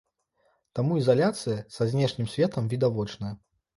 Таму ізаляцыя са знешнім светам відавочная.